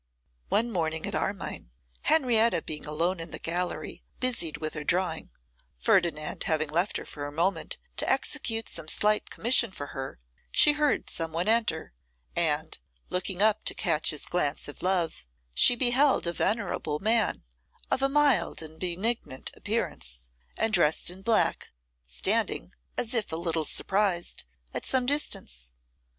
One morning at Armine, Henrietta being alone in the gallery busied with her drawing, Ferdinand having left her for a moment to execute some slight commission for her, she heard some one enter, and, looking up to catch his glance of love, she beheld a venerable man, of a mild and benignant appearance, and dressed in black, standing, as if a little surprised, at some distance.